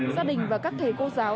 gia đình và các thầy cô giáo